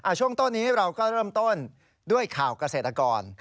ช่วงต้นนี้เราก็เริ่มต้นด้วยข่าวเกษตรกร